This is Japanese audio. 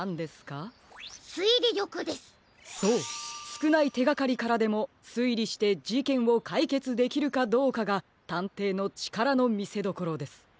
すくないてがかりからでもすいりしてじけんをかいけつできるかどうかがたんていのちからのみせどころです。